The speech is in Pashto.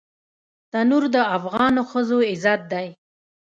تنور د افغانو ښځو عزت دی